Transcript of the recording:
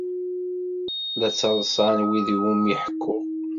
La ttaḍsan wid iwumi ḥekkuɣ.